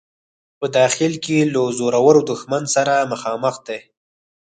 په داخل کې له زورور دښمن سره مخامخ دی.